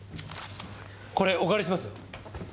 これお借りします。